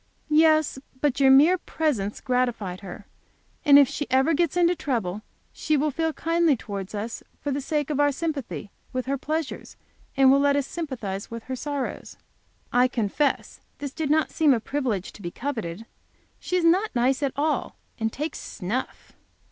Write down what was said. "Yes, but your mere presence gratified her. And if she ever gets into trouble, she will feel kindly towards us for the sake of our sympathy with her pleasures, and will let us sympathize with her sorrows." I confess this did not seem a privilege to be coveted. She is not nice at all, and takes snuff.